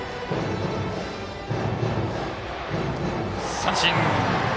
三振。